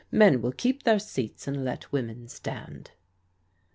Men will keep their seats, and let women stand."